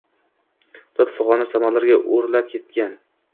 Dod-figʼoni samolarga oʼrlab ketgan